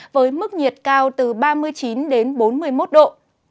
với mức nhiệt cao từ ba mươi chín đến bốn mươi một độ